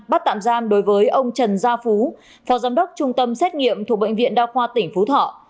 bắt tạm giam đối với ông trần gia phú phó giám đốc trung tâm xét nghiệm thuộc bệnh viện đa khoa tỉnh phú thọ